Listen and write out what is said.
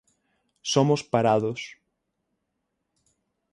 Somos parados.